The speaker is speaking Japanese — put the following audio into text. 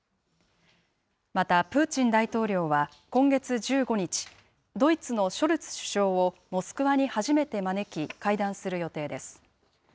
また、プーチン大統領は今月１５日、ドイツのショルツ首相をモスクワに初めて招き、会談する予定です。